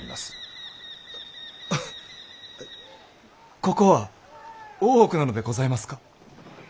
ここは大奥なのでございますか？